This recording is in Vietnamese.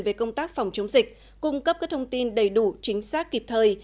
về công tác phòng chống dịch cung cấp các thông tin đầy đủ chính xác kịp thời